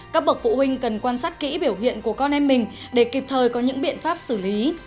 các bậc phụ huynh cần quan sát kỹ biểu hiện của con em mình để kịp thời có những biện pháp xử lý